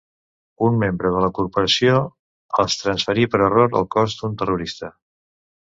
Un membre de la corporació és transferit per error al cos d'un terrorista.